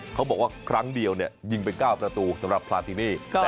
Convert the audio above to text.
เขาบอกว่าครั้งเดียวยิงไป๙ประตูสำหรับพลาตินี่